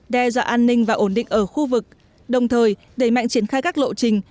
đe dọa an ninh và ổn định ở khu vực đồng thời đẩy mạnh triển khai các lộ trình